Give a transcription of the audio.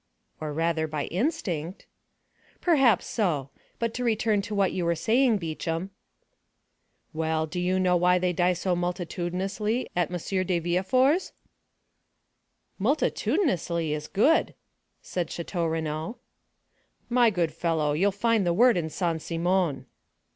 "Or, rather, by instinct." "Perhaps so. But to return to what you were saying, Beauchamp." "Well, do you know why they die so multitudinously at M. de Villefort's?" "'Multitudinously' is good," said Château Renaud. "My good fellow, you'll find the word in Saint Simon."